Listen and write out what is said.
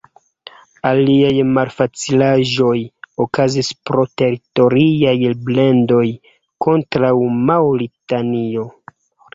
Aliaj malfacilaĵoj okazis pro teritoriaj plendoj kontraŭ Maŭritanio.